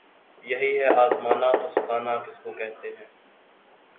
یہی ہے آزمانا‘ تو ستانا کس کو کہتے ہیں!